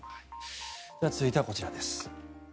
続いてはこちらです。